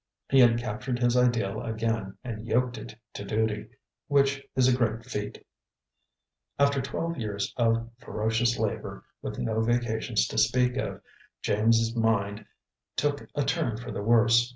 He had captured his ideal again and yoked it to duty which is a great feat. After twelve years of ferocious labor, with no vacations to speak of, James's mind took a turn for the worse.